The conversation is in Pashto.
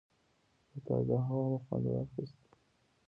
له تازه هوا مو خوند واخیست.